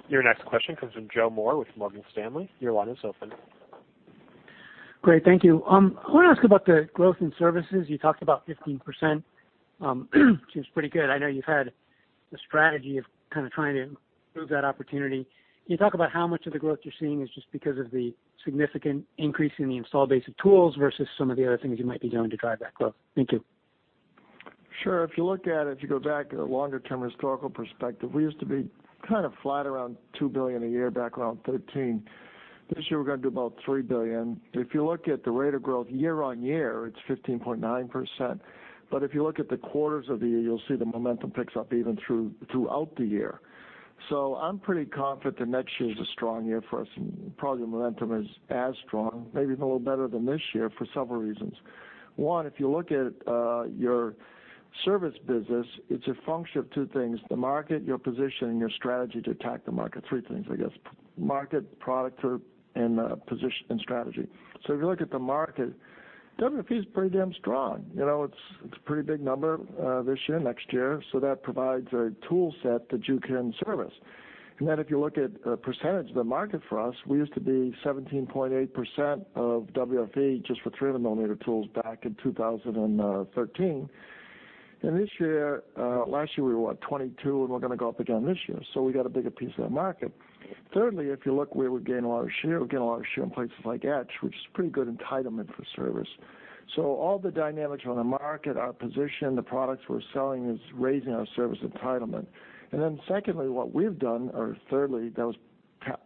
Your next question comes from Joseph Moore with Morgan Stanley. Your line is open. Great. Thank you. I want to ask about the growth in services. You talked about 15%, seems pretty good. I know you've had the strategy of kind of trying to move that opportunity. Can you talk about how much of the growth you're seeing is just because of the significant increase in the install base of tools versus some of the other things you might be doing to drive that growth? Thank you. Sure. If you look at it, if you go back at a longer-term historical perspective, we used to be kind of flat around $2 billion a year back around 2013. This year, we're gonna do about $3 billion. If you look at the rate of growth year-over-year, it's 15.9%. If you look at the quarters of the year, you'll see the momentum picks up even throughout the year. I'm pretty confident that next year is a strong year for us, and probably the momentum is as strong, maybe even a little better than this year for several reasons. One, if you look at your service business, it's a function of two things, the market, your position, and your strategy to attack the market. Three things I guess, market, product, and strategy. If you look at the market, WFE's pretty damn strong. It's a pretty big number, this year, next year, that provides a toolset that you can service. If you look at percentage of the market for us, we used to be 17.8% of WFE just for 300-millimeter tools back in 2013. Last year we were, what, 22, and we're gonna go up again this year, we got a bigger piece of the market. Thirdly, if you look where we gain a lot of share, we gain a lot of share in places like etch, which is pretty good entitlement for service. All the dynamics around the market, our position, the products we're selling is raising our service entitlement. Secondly, what we've done, or thirdly, that was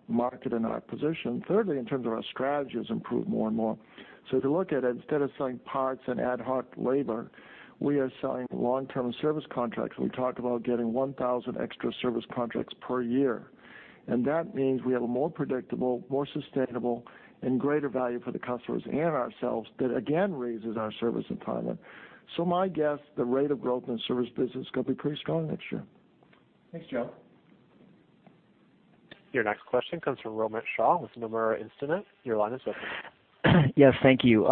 market and our position. In terms of our strategy has improved more and more. If you look at it, instead of selling parts and ad hoc labor, we are selling long-term service contracts. We talk about getting 1,000 extra service contracts per year. That means we have a more predictable, more sustainable, and greater value for the customers and ourselves that again raises our service entitlement. My guess, the rate of growth in the service business could be pretty strong next year. Thanks, Joe. Your next question comes from Romit Shah with Nomura Instinet. Your line is open. Yes, thank you.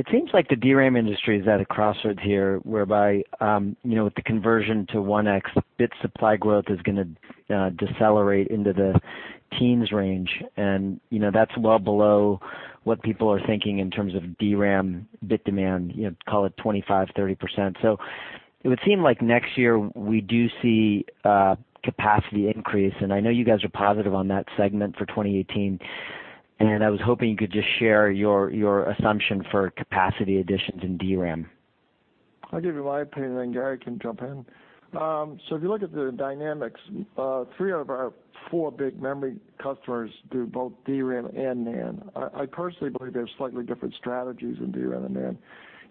It seems like the DRAM industry is at a crossroads here whereby, with the conversion to 1X bit supply growth is gonna decelerate into the teens range, and that's well below what people are thinking in terms of DRAM bit demand, call it 25%, 30%. It would seem like next year we do see a capacity increase, and I know you guys are positive on that segment for 2018, and I was hoping you could just share your assumption for capacity additions in DRAM. I'll give you my opinion, Gary can jump in. If you look at the dynamics, three out of our four big memory customers do both DRAM and NAND. I personally believe they have slightly different strategies in DRAM and NAND.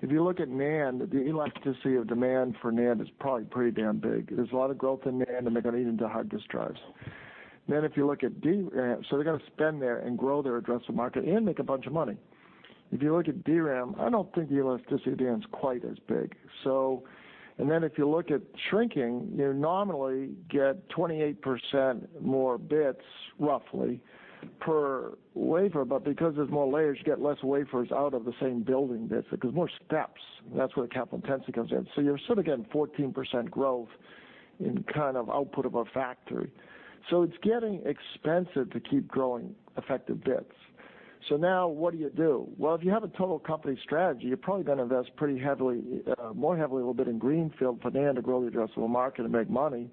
If you look at NAND, the elasticity of demand for NAND is probably pretty damn big. There's a lot of growth in NAND, and they're going to eat into hard disk drives. They're going to spend there and grow their addressable market and make a bunch of money. If you look at DRAM, I don't think the elasticity of demand's quite as big. If you look at shrinking, you nominally get 28% more bits, roughly, per wafer, but because there's more layers, you get less wafers out of the same building bits because more steps. That's where the capital intensity comes in. You're sort of getting 14% growth in kind of output of a factory. It's getting expensive to keep growing effective bits. Now what do you do? Well, if you have a total company strategy, you're probably going to invest more heavily a little bit in greenfield for NAND to grow the addressable market and make money.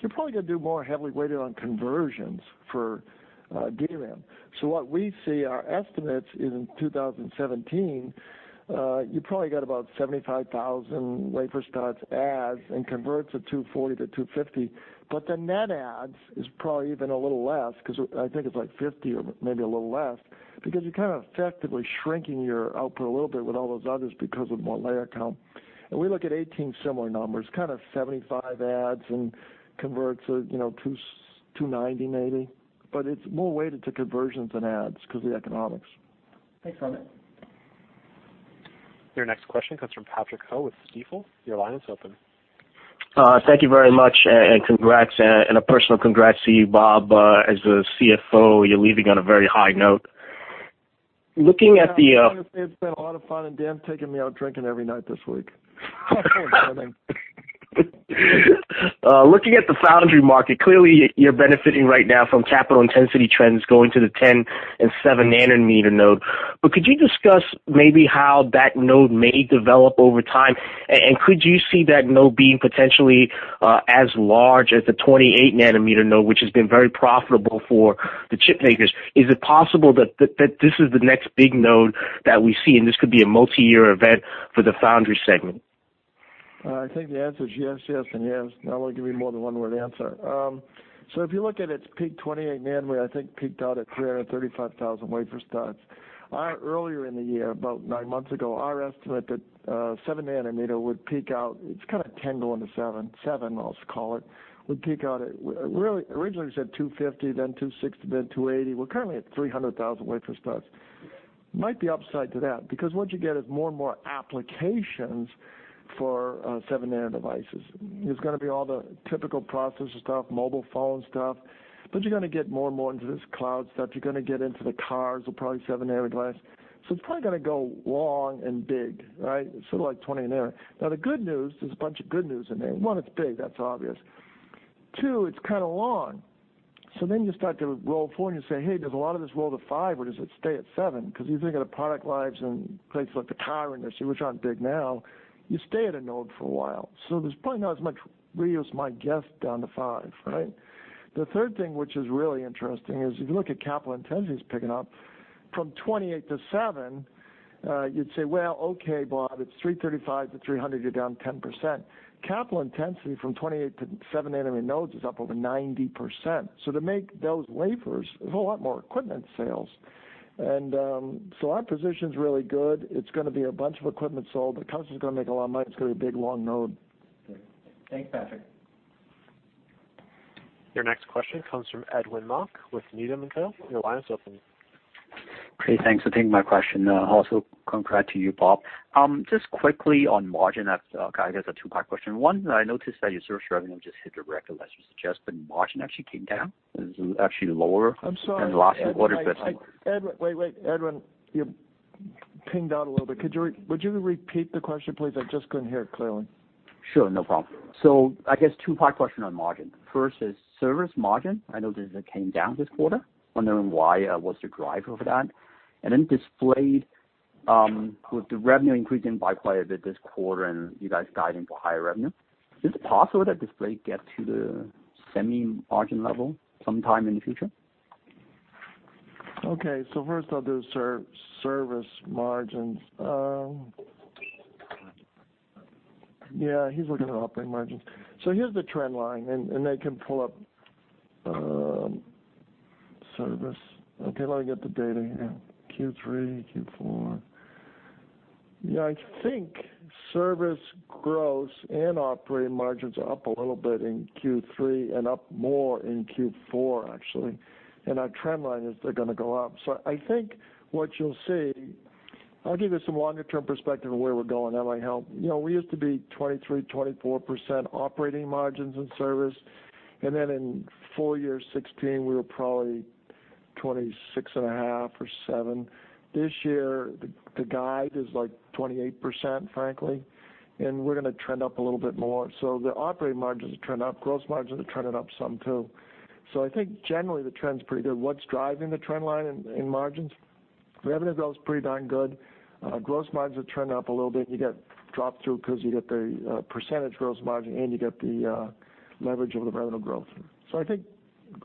You're probably going to do more heavily weighted on conversions for DRAM. What we see, our estimates in 2017, you probably got about 75,000 wafer starts adds and converts at 240 to 250. The net adds is probably even a little less because I think it's like 50 or maybe a little less, because you're kind of effectively shrinking your output a little bit with all those others because of more layer count. We look at 2018 similar numbers, kind of 75 adds and converts at 290 maybe. It's more weighted to conversions than adds because of the economics. Thanks, Romit. Your next question comes from Patrick Ho with Stifel. Your line is open. Thank you very much, and congrats, and a personal congrats to you, Bob. As the CFO, you're leaving on a very high note. Yeah, I want to say it's been a lot of fun, and Dan's taking me out drinking every night this week. Looking at the foundry market, clearly you're benefiting right now from capital intensity trends going to the 10 and 7-nanometer node. Could you discuss maybe how that node may develop over time? Could you see that node being potentially as large as the 28-nanometer node, which has been very profitable for the chip makers? Is it possible that this is the next big node that we see, and this could be a multi-year event for the foundry segment? I think the answer is yes, and yes. I want to give you more than a one-word answer. If you look at its peak 28 nanometer, where I think peaked out at 335,000 wafer starts. Earlier in the year, about nine months ago, our estimate that seven nanometer would peak out, it's kind of 10 going to seven. Seven, I'll call it, would peak out at, originally we said 250, then 260, then 280. We're currently at 300,000 wafer starts. Might be upside to that, because what you get is more and more applications for seven-nanometer devices. There's going to be all the typical processor stuff, mobile phone stuff, but you're going to get more and more into this cloud stuff. You're going to get into the cars with probably 7nm class. It's probably going to go long and big, right? Sort of like 20 nanometer. The good news, there's a bunch of good news in there. One, it's big, that's obvious. Two, it's kind of long. You start to roll forward and you say, "Hey, does a lot of this roll to five, or does it stay at seven?" Because if you think of the product lives in places like the car industry, which aren't big now, you stay at a node for a while. There's probably not as much reuse, my guess, down to five, right? The third thing which is really interesting is if you look at capital intensity is picking up from 28 to seven, you'd say, "Well, okay, Bob, it's 335 to 300, you're down 10%." Capital intensity from 28 to seven nanometer nodes is up over 90%. To make those wafers, there's a lot more equipment sales. Our position's really good. It's going to be a bunch of equipment sold. The company's going to make a lot of money. It's going to be a big, long node. Thanks, Patrick. Your next question comes from Edwin Mok with Needham & Company. Your line is open. Okay, thanks. I take my question. Also congrat to you, Bob. Just quickly on margin, I guess a two-part question. One, I noticed that your service revenue just hit a record, as you suggest, but margin actually came down. It was actually lower- I'm sorry, Edwin- Than last quarter. Wait, Edwin, you pinged out a little bit. Would you repeat the question, please? I just couldn't hear it clearly. Sure. No problem. I guess two-part question on margin. First is service margin. I noticed it came down this quarter. Wondering why, what's the driver for that? Display, with the revenue increasing by quite a bit this quarter and you guys guiding for higher revenue, is it possible that display get to the Semicap margin level sometime in the future? First I'll do service margins. He's looking at operating margins. Here's the trend line and they can pull up service. Let me get the data here. Q3, Q4. I think service gross and operating margins are up a little bit in Q3 and up more in Q4, actually, and our trend line is they're going to go up. I think what you'll see, I'll give you some longer term perspective of where we're going. That might help. We used to be 23%, 24% operating margins in service, and then in full year 2016, we were probably 26.5% or 27%. This year, the guide is like 28%, frankly, and we're going to trend up a little bit more. The operating margins are trending up, gross margins are trending up some, too. I think generally the trend's pretty good. What's driving the trend line in margins? Revenue growth's pretty darn good. Gross margins are trending up a little bit, and you get drop-through because you get the percentage gross margin and you get the leverage of the revenue growth. I think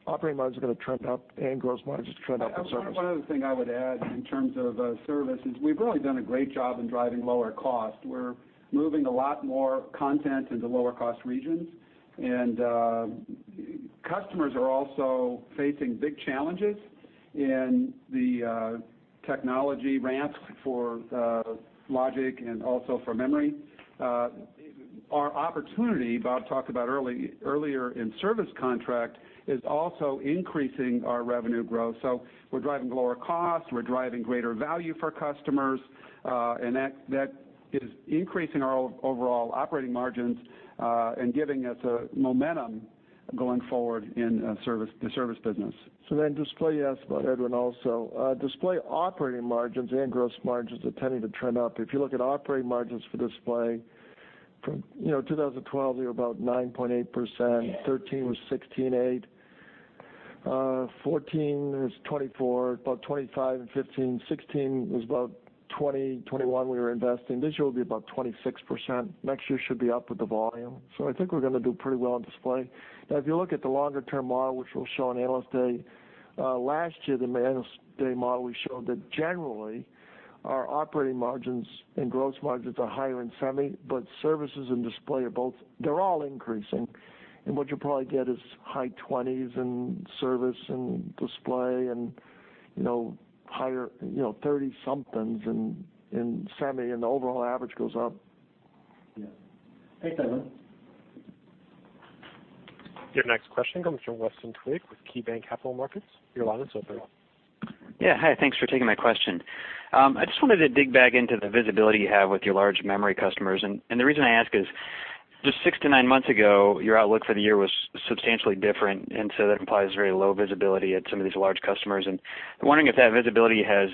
operating margins are going to trend up and gross margins trend up as a service. One other thing I would add in terms of service is we've really done a great job in driving lower cost. We're moving a lot more content into lower cost regions. Customers are also facing big challenges in the technology ramps for logic and also for memory. Our opportunity, Bob talked about earlier, in service contract is also increasing our revenue growth. We're driving lower costs, we're driving greater value for customers, and that is increasing our overall operating margins, and giving us a momentum going forward in the service business. Display you asked about, Edwin, also. Display operating margins and gross margins are tending to trend up. If you look at operating margins for display from 2012, they were about 9.8%. 2013 was 16.8%, 2014 was 24%, about 25% in 2015. 2016 was about 20%. 2016, we were investing. This year will be about 26%. Next year should be up with the volume. I think we're going to do pretty well on display. Now, if you look at the longer-term model, which we'll show on Analyst Day, last year, the Analyst Day model, we showed that generally, our operating margins and gross margins are higher in semi, but services and display are both, they're all increasing. What you'll probably get is high 20s in service and display and higher 30-somethings in semi, and the overall average goes up. Yeah. Thanks, Edwin. Your next question comes from Weston Twigg with KeyBanc Capital Markets. Your line is open. Yeah, hi. Thanks for taking my question. I just wanted to dig back into the visibility you have with your large memory customers. The reason I ask is just six to nine months ago, your outlook for the year was substantially different. That implies very low visibility at some of these large customers. I'm wondering if that visibility has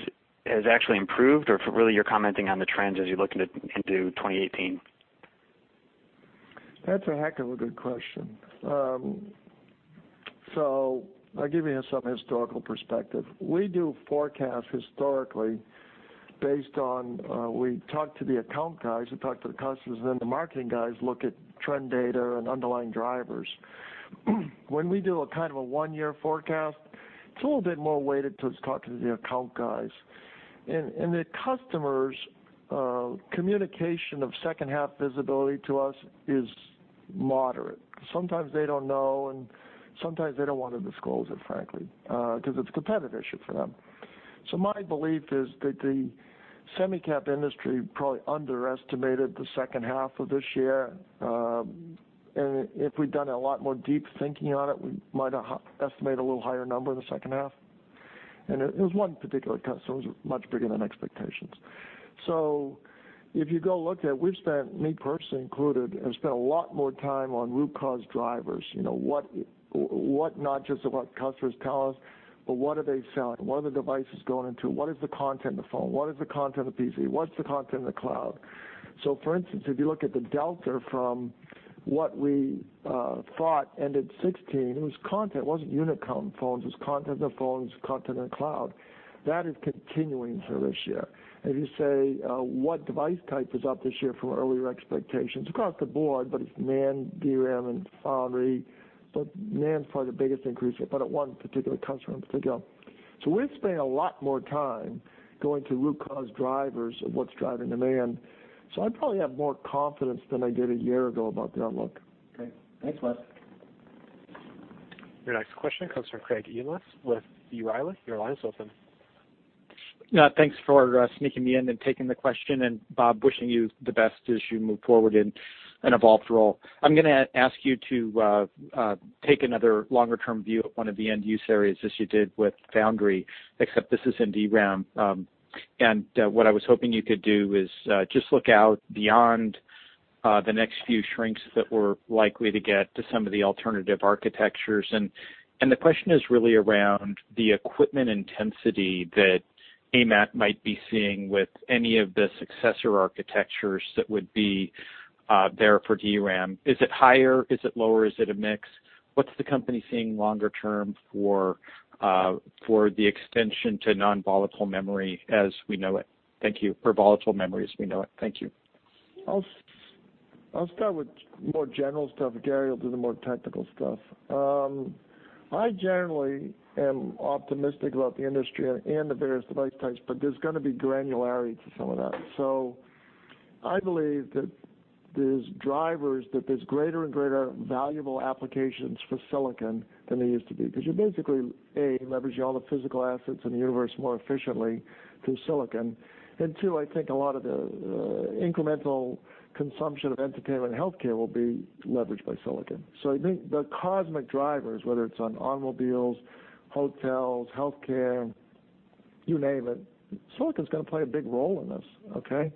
actually improved or if really you're commenting on the trends as you look into 2018. That's a heck of a good question. I'll give you some historical perspective. We do forecasts historically based on, we talk to the account guys, we talk to the customers, and then the marketing guys look at trend data and underlying drivers. When we do a kind of a one-year forecast, it's a little bit more weighted towards talking to the account guys. The customers' communication of second half visibility to us is moderate. Sometimes they don't know, and sometimes they don't want to disclose it, frankly, because it's a competitive issue for them. My belief is that the Semicap industry probably underestimated the second half of this year. If we'd done a lot more deep thinking on it, we might estimate a little higher number in the second half. It was one particular customer who was much bigger than expectations. If you go look at it, we've spent, me personally included, have spent a lot more time on root cause drivers. Not just on what customers tell us, but what are they selling? What are the devices going into? What is the content of the phone? What is the content of the PC? What's the content of the cloud? For instance, if you look at the delta from what we thought ended 2016, it was content. It wasn't unit count phones, it was content of phones, content in the cloud. That is continuing through this year. If you say, what device type is up this year from earlier expectations? It's across the board, but it's NAND, DRAM, and foundry. NAND's probably the biggest increase, but at one particular customer in particular. We're spending a lot more time going to root cause drivers of what's driving demand. I probably have more confidence than I did a year ago about the outlook. Okay. Thanks, Wes. Your next question comes from Craig Ellis with B. Riley. Your line is open. Thanks for sneaking me in and taking the question, Bob, wishing you the best as you move forward in an evolved role. I'm going to ask you to take another longer-term view of one of the end use areas as you did with Foundry, except this is in DRAM. What I was hoping you could do is just look out beyond the next few shrinks that we're likely to get to some of the alternative architectures. The question is really around the equipment intensity that AMAT might be seeing with any of the successor architectures that would be there for DRAM. Is it higher? Is it lower? Is it a mix? What's the company seeing longer term for the extension to non-volatile memory as we know it? Thank you. For volatile memory as we know it. Thank you. I'll start with more general stuff. Gary'll do the more technical stuff. I generally am optimistic about the industry and the various device types, but there's going to be granularity to some of that. I believe that there's drivers, that there's greater and greater valuable applications for silicon than there used to be, because you're basically, A, leveraging all the physical assets in the universe more efficiently through silicon. Two, I think a lot of the incremental consumption of entertainment and healthcare will be leveraged by silicon. I think the cosmic drivers, whether it's on automobiles, hotels, healthcare, you name it, silicon's going to play a big role in this. Okay?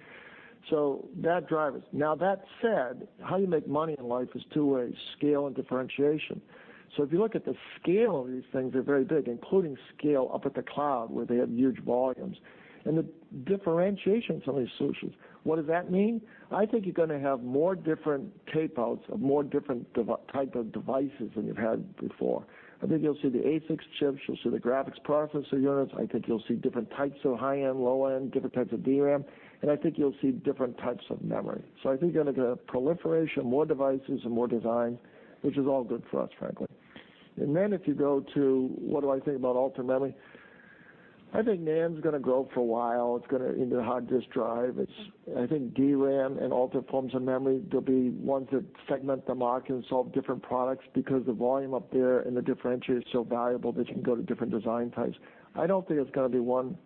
Bad drivers. Now that said, how you make money in life is two ways: scale and differentiation. If you look at the scale of these things, they're very big, including scale up at the cloud, where they have huge volumes. The differentiation is only solutions. What does that mean? I think you're going to have more different tape outs of more different type of devices than you've had before. I think you'll see the ASICs chips, you'll see the graphics processor units. I think you'll see different types of high-end, low-end, different types of DRAM, and I think you'll see different types of memory. I think you're going to get a proliferation of more devices and more designs, which is all good for us, frankly. Then if you go to, what do I think about alternative memory? I think NAND's gonna grow for a while into hard disk drive. I think DRAM and other forms of memory, there'll be ones that segment the market and solve different products because the volume up there and the differentiator is so valuable that you can go to different design types. I don't think it's going to be one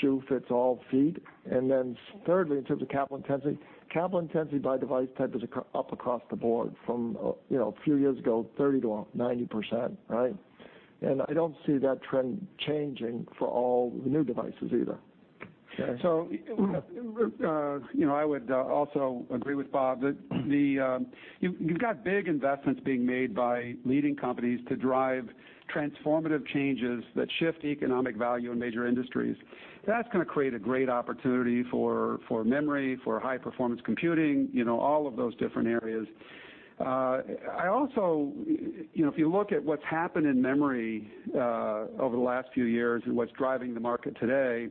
shoe fits all feet. Then thirdly, in terms of capital intensity, capital intensity by device type is up across the board from a few years ago, 30%-90%, right? I don't see that trend changing for all the new devices either. Okay. I would also agree with Bob that you've got big investments being made by leading companies to drive transformative changes that shift economic value in major industries. That's going to create a great opportunity for memory, for high-performance computing, all of those different areas. If you look at what's happened in memory over the last few years and what's driving the market today,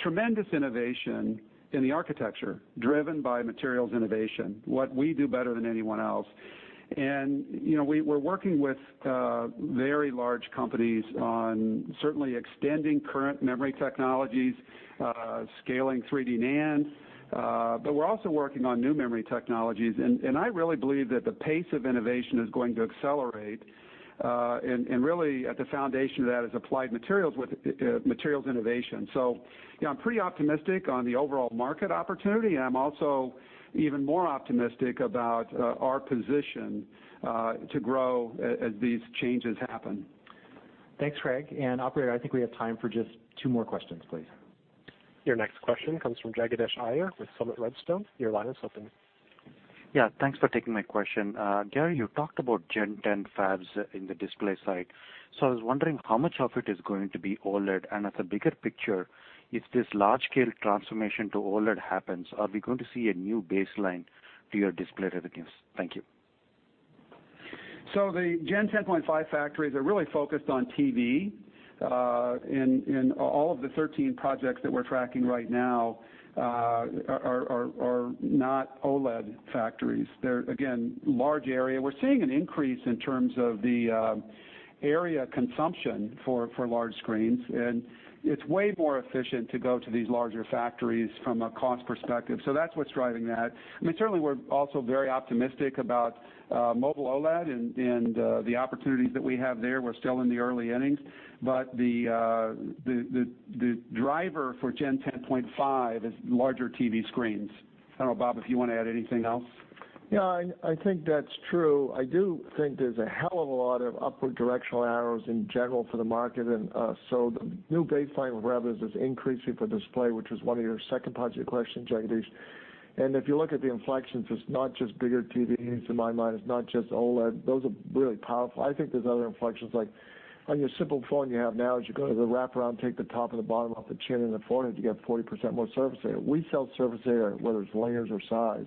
tremendous innovation in the architecture driven by materials innovation, what we do better than anyone else. We're working with very large companies on certainly extending current memory technologies, scaling 3D NAND, but we're also working on new memory technologies, I really believe that the pace of innovation is going to accelerate, really at the foundation of that is Applied Materials with materials innovation. I'm pretty optimistic on the overall market opportunity, I'm also even more optimistic about our position to grow as these changes happen. Thanks, Craig. Operator, I think we have time for just two more questions, please. Your next question comes from Jagadish Iyer with Summit Redstone. Your line is open. Thanks for taking my question. Gary, you talked about Gen 10 fabs in the display side. I was wondering how much of it is going to be OLED, and as a bigger picture, if this large-scale transformation to OLED happens, are we going to see a new baseline to your display revenues? Thank you. The Gen 10.5 factories are really focused on TV, and all of the 13 projects that we're tracking right now are not OLED factories. They're, again, large area. We're seeing an increase in terms of the area consumption for large screens, and it's way more efficient to go to these larger factories from a cost perspective. That's what's driving that. I mean, certainly we're also very optimistic about mobile OLED and the opportunities that we have there. We're still in the early innings, but the driver for Gen 10.5 is larger TV screens. I don't know, Bob, if you want to add anything else? I think that's true. I do think there's a hell of a lot of upward directional arrows in general for the market. The new baseline of revenues is increasing for display, which was one of your second part of your question, Jagadish. If you look at the inflections, it's not just bigger TVs, in my mind, it's not just OLED. Those are really powerful. I think there's other inflections, like on your simple phone you have now, as you go to the wraparound, take the top and the bottom off the chin and the forehead, you get 40% more surface area. We sell surface area, whether it's layers or size.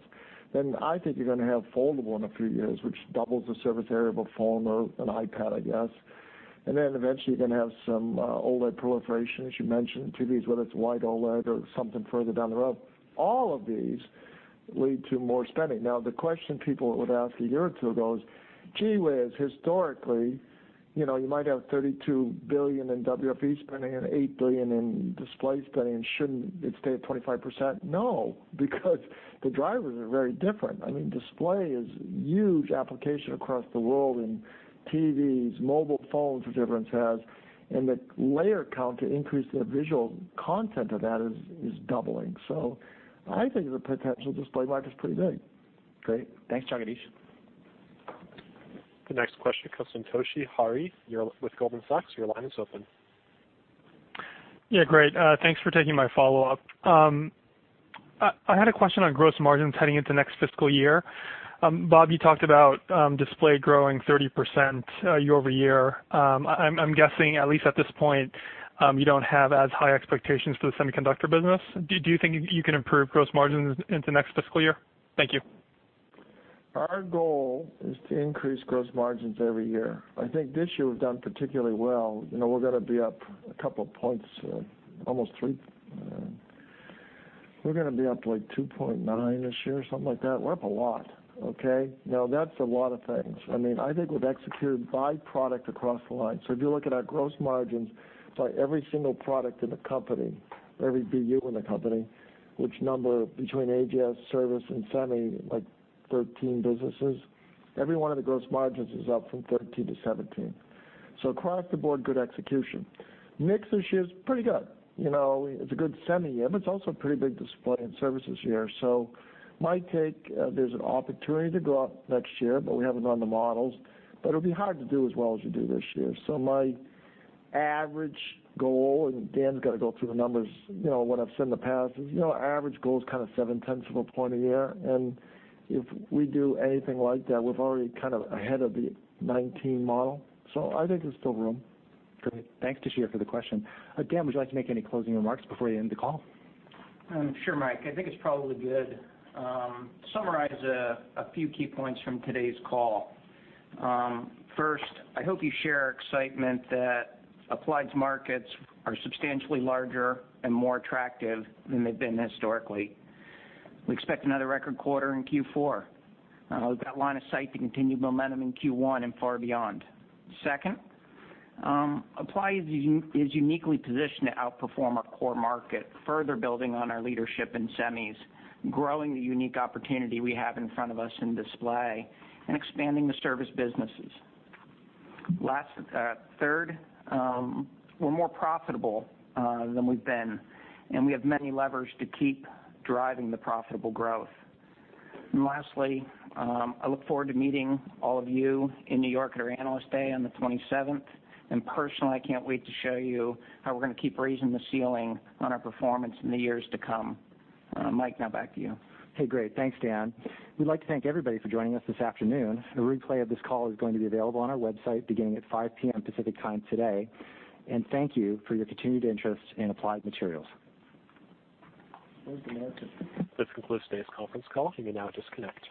I think you're going to have foldable in a few years, which doubles the surface area of a phone or an iPad, I guess. Eventually, you're going to have some OLED proliferation, as you mentioned, TVs, whether it's white OLED or something further down the road. All of these lead to more spending. The question people would ask a year or two ago is, "Gee, whiz, historically, you might have $32 billion in WFE spending and $8 billion in display spending. Shouldn't it stay at 25%?" No, because the drivers are very different. Display is huge application across the world in TVs, mobile phones that everyone has, and the layer count to increase the visual content of that is doubling. I think the potential display market's pretty big. Great. Thanks, Jagadish. The next question comes from Toshiya Hari with Goldman Sachs. Your line is open. Great. Thanks for taking my follow-up. I had a question on gross margins heading into next fiscal year. Bob, you talked about display growing 30% year-over-year. I'm guessing, at least at this point, you don't have as high expectations for the semiconductor business. Do you think you can improve gross margins into next fiscal year? Thank you. Our goal is to increase gross margins every year. I think this year we've done particularly well. We're going to be up a couple points, almost 3. We're going to be up to 2.9 this year or something like that. We're up a lot, okay? That's a lot of things. I think we've executed by product across the line. If you look at our gross margins by every single product in the company, every BU in the company, which number between AGS, service, and semi, like 13 businesses, every one of the gross margins is up from 13 to 17. Across the board, good execution. Mix this year's pretty good. It's a good semi year, but it's also a pretty big display and services year. My take, there's an opportunity to go up next year, but we haven't run the models, but it'll be hard to do as well as we do this year. My average goal, and Dan's got to go through the numbers, what I've said in the past, is our average goal is 7/10 of a point a year. If we do anything like that, we're already ahead of the 2019 model. I think there's still room. Great. Thanks, Toshi, for the question. Dan, would you like to make any closing remarks before we end the call? Sure, Mike. I think it's probably good. Summarize a few key points from today's call. First, I hope you share our excitement that Applied's markets are substantially larger and more attractive than they've been historically. We expect another record quarter in Q4. We've got line of sight to continued momentum in Q1 and far beyond. Second, Applied is uniquely positioned to outperform our core market, further building on our leadership in semis, growing the unique opportunity we have in front of us in display, and expanding the service businesses. Third, we're more profitable than we've been, and we have many levers to keep driving the profitable growth. Lastly, I look forward to meeting all of you in New York at our Analyst Day on the 27th. Personally, I can't wait to show you how we're going to keep raising the ceiling on our performance in the years to come. Mike, now back to you. Hey, great. Thanks, Dan. We'd like to thank everybody for joining us this afternoon. A replay of this call is going to be available on our website beginning at 5:00 P.M. Pacific Time today. Thank you for your continued interest in Applied Materials. Where's the? [inaudible] This concludes today's conference call. You may now disconnect.